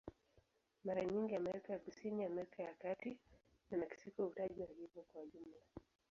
Mara nyingi Amerika ya Kusini, Amerika ya Kati na Meksiko hutajwa hivyo kwa jumla.